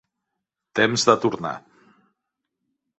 Temps de tornar